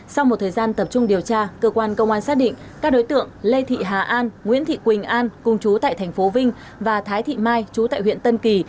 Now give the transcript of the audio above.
sau một thời gian tập trung điều tra cơ quan công an xác định các đối tượng lê thị hà an nguyễn thị quỳnh an cùng chú tại tp vinh và thái thị mai chú tại huyện tân kỳ